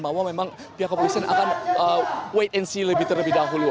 bahwa memang pihak kepolisian akan wait and see lebih terlebih dahulu